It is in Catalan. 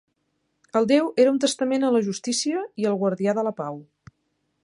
El déu era un testament a la justícia i el guardià de la pau.